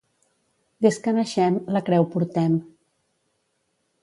Des que naixem, la creu portem.